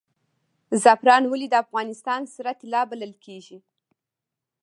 زعفران ولې د افغانستان سره طلا بلل کیږي؟